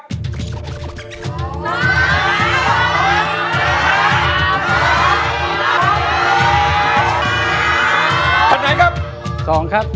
ส่วนหน่อยครับ